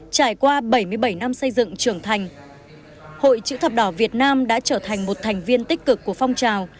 trải qua bảy mươi bảy năm xây dựng trưởng thành hội chữ thập đỏ việt nam đã trở thành một thành viên tích cực của phong trào